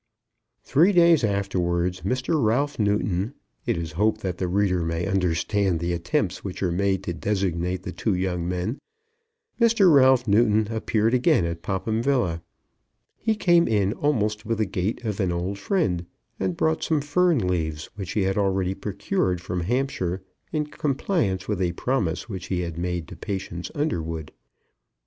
Three days afterwards Mr. Ralph Newton; it is hoped that the reader may understand the attempts which are made to designate the two young men; Mr. Ralph Newton appeared again at Popham Villa. He came in almost with the gait of an old friend, and brought some fern leaves, which he had already procured from Hampshire, in compliance with a promise which he had made to Patience Underwood.